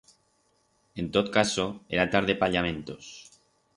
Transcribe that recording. En tot caso, era tarde pa llamentos.